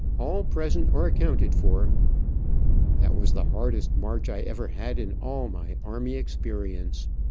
all present or accounted for." That was the hardest march I ever had in all of my army experience.